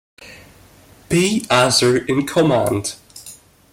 B. Azer in command.